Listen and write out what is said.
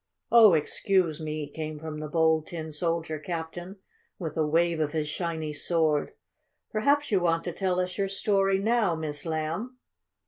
"Oh, excuse me," came from the Bold Tin Soldier Captain, with a wave of his shiny sward. "Perhaps you want to tell us your story now, Miss Lamb?"